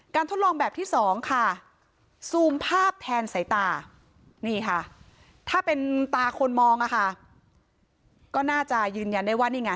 ทดลองแบบที่สองค่ะซูมภาพแทนสายตานี่ค่ะถ้าเป็นตาคนมองอะค่ะก็น่าจะยืนยันได้ว่านี่ไง